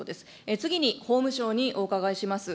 次に法務省にお伺いします。